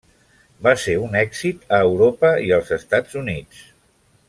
Va ser un èxit a Europa i als Estats Units.